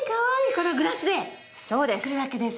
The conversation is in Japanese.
このグラスで作るわけですね。